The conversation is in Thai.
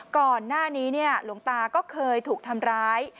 ก่อนหน้านี้หลวงตาก็เคยถูกทำร้าย